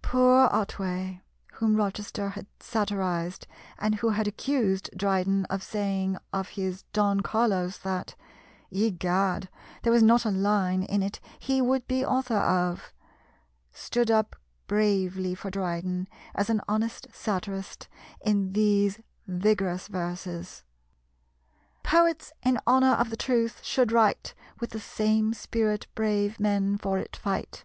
Poor Otway, whom Rochester had satirised, and who had accused Dryden of saying of his Don Carlos that, "Egad, there was not a line in it he would be author of," stood up bravely for Dryden as an honest satirist in these vigorous verses: "Poets in honour of the truth should write, With the same spirit brave men for it fight.